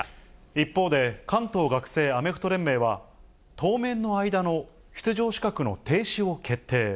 一方で、関東学生アメフト連盟は、当面の間の出場資格の停止を決定。